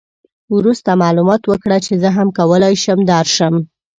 وروسته معلومات وکړه چې زه هم کولای شم درشم.